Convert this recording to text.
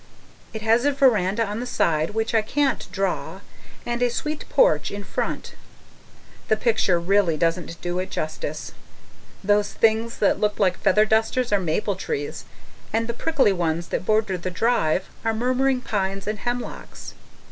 It has a veranda on the side which I can't draw and a sweet porch in front. The picture really doesn't do it justice those things that look like feather dusters are maple trees, and the prickly ones that border the drive are murmuring pines and hemlocks.